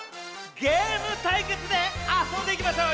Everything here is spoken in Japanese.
ゲームたいけつ」であそんでいきましょう！